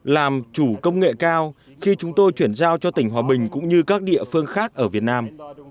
làm chủ công nghệ cao khi chúng tôi chuyển giao cho tỉnh hòa bình cũng như các địa phương khác ở việt nam